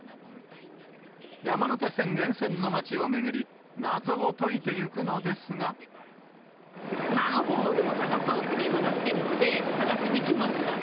山手線沿線の街を巡り、マンホールを探そうって、今、なってるので、探しにきました。